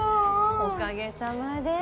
おかげさまで。